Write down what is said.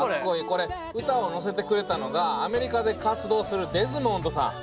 これ歌をのせてくれたのがアメリカで活動するデズモンドさん。